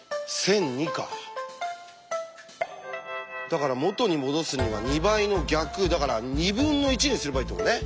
だから元にもどすには２倍の逆だから２分の１にすればいいってことね。